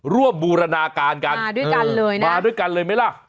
บูรณาการกันมาด้วยกันเลยนะมาด้วยกันเลยไหมล่ะ